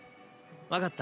分かった。